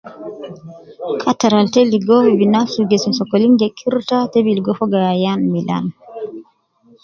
Kattar al te ligo binafsi me gesim sokolna je kirta ta gi ligo fogo ayan milan